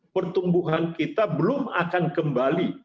pertumbuhan kita belum akan kembali